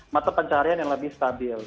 mata pencarian yang lebih stabil